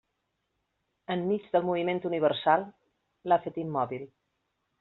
Enmig del moviment universal, l'ha fet immòbil.